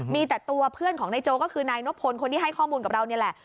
มีแต่ตัวเพื่อนของนายโจก็คือนายนบพลคนที่ให้ข้อมูลกับเรานี่แหละ